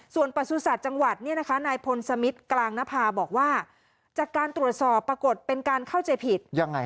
ส่วนประสุทธิ์จังหวัดเนี่ยนะคะนายพลสมิทกลางนภาบอกว่าจากการตรวจสอบปรากฏเป็นการเข้าใจผิดยังไง